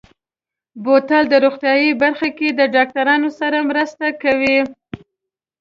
بوتل د روغتیا برخه کې د ډاکترانو سره مرسته کوي.